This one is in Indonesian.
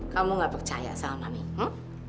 kamu nggak percaya sama mami hm